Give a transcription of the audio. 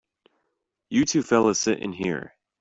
You two fellas sit in here.